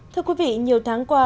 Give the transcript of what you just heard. thưa quý vị nhiều tháng qua